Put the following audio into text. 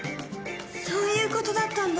そういうことだったんだ。